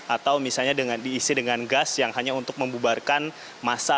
atau misalnya diisi dengan gas yang hanya untuk membubarkan masa